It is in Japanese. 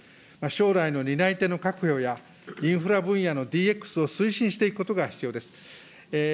将来の担い手の確保や、インフラ分野のＤＸを推進していくことが必要です。